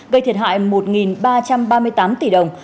gây thiệt hại một ba trăm ba mươi tám tỷ đồng